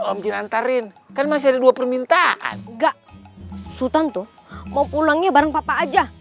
om dilantarin kan masih ada dua permintaan enggak sultan tuh mau pulangnya bareng papa aja